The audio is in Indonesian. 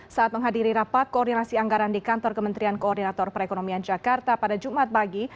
saat menghadiri rapat koordinasi anggaran di kantor kementerian koordinator perekonomian jakarta pada jumat pagi